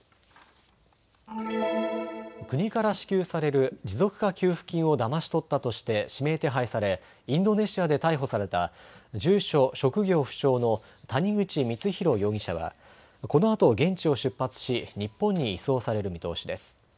国から支給される持続化給付金をだまし取ったとして指名手配されインドネシアで逮捕された住所・職業不詳の谷口光弘容疑者はこのあと現地を出発し日本に移送される見通しです。